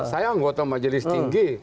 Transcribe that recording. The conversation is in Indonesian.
saya anggota majelis tinggi